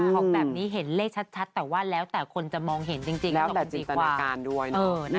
ของแบบนี้เห็นเลขชัดแต่ว่าแล้วแต่คนจะมองเห็นจริงแล้วแต่จินตนาการด้วย